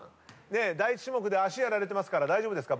第１種目で脚やられてますから大丈夫ですか？